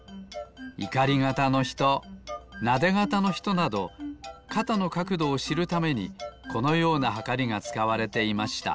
いかり肩のひとなで肩のひとなど肩のかくどをしるためにこのようなはかりがつかわれていました。